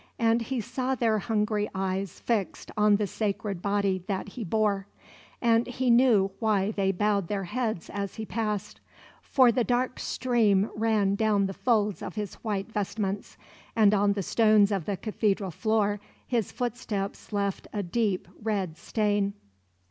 And he saw their hungry eyes fixed on the sacred Body that he bore; and he knew why they bowed their heads as he passed. For the dark stream ran down the folds of his white vestments; and on the stones of the Cathedral floor his footsteps left a deep, red stain.